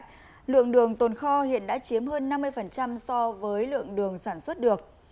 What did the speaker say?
tuy nhiên lượng đường tồn kho hiện đã chiếm hơn năm mươi so với lượng đường sản xuất được